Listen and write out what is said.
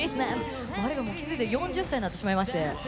気付いたら４０歳になってしまいまして。